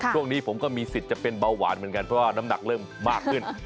ช่วงนี้ผมก็มีสิทธิ์จะเป็นเบาหวานเหมือนกันเพราะว่าน้ำหนักเริ่มมากขึ้น